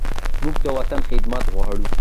موږ د وطن خدمت غواړو.